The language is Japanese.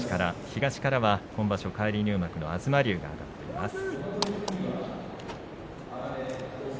東からは今場所返り入幕の東龍が上がっています。